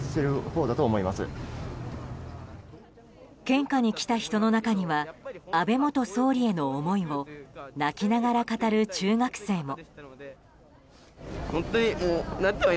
献花に来た人の中には安倍元総理への思いを泣きながら語る中学生も。